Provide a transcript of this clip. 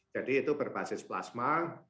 jadi itu berbasis plasma